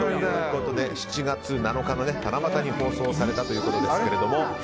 ７月７日の七夕に放送されたということで。